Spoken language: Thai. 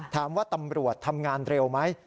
ถามว่าตำรวจทำงานเร็วไหม